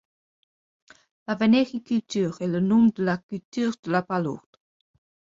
La vénériculture est le nom de la culture de la palourde.